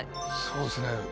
そうですね。